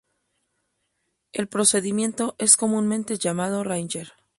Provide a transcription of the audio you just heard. El procedimiento es comúnmente llamado "ringer".